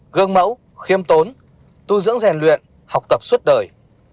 gương mẫu khiêm tốn tu dưỡng rèn luyện học tập suốt đời